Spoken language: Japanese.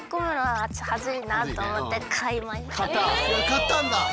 買ったんだ。